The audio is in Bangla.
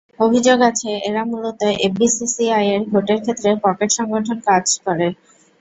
অভিযোগ আছে, এরা মূলত এফবিসিসিআইয়ের ভোটের ক্ষেত্রে পকেট সংগঠন হিসেবে কাজ করে।